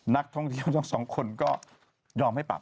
นักท่องเที่ยวทั้งสองคนก็ยอมให้ปรับ